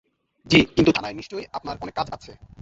জ্বি, কিন্তু থানায় নিশ্চয়ই আপনার অনেক কাজ আছে।